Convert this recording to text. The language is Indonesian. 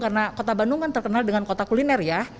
karena kota bandung kan terkenal dengan kota kuliner ya